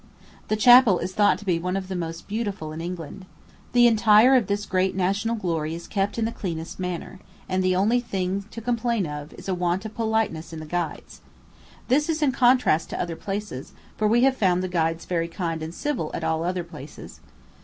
The chapel is thought to be one of the most beautiful in England. The entire of this great national glory is kept in the cleanest manner; and the only thing to complain of is a want of politeness in the guides. This is in contrast to other places; for we have found the guides very kind and civil at all other places.